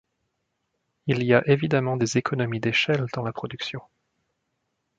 Il y a évidemment des économies d’échelle dans la production.